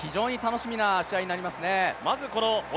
非常に楽しみな試合になりますね。